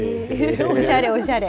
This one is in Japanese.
おしゃれ、おしゃれ。